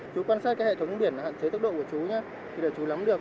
chú quan sát hệ thống biển hạn chế tốc độ của chú nhé để chú lắm được